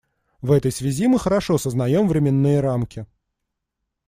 В этой связи мы хорошо сознаем временные рамки.